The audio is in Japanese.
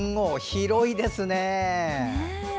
広いですね！